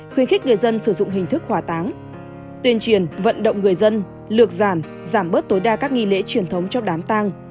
khuyến khích người dân sử dụng hình thức hỏa táng tuyên truyền vận động người dân lược giàn giảm bớt tối đa các nghi lễ truyền thống trong đám tang